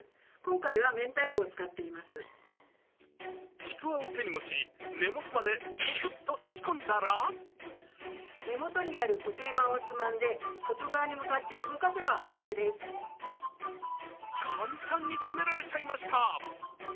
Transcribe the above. ちくわを手に持ち根元までぶすっと差し込んだら簡単に詰められちゃいました。